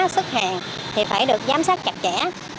sức hàng thì phải được giám sát chặt chẽ